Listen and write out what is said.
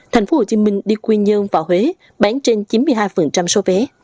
tp hcm đi quy nhơn vào huế bán trên chín mươi hai số vé